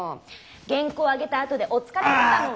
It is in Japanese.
原稿上げたあとでお疲れでしたもん。